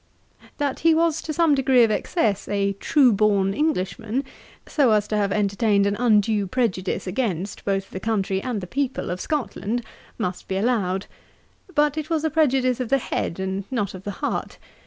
That he was to some degree of excess a true born Englishman, so as to have entertained an undue prejudice against both the country and the people of Scotland, must be allowed. But it was a prejudice of the head, and not of the heart.